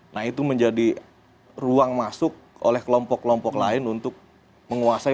nah itu menjadi ruang masuk oleh kelompok kelompok lain untuk menguasai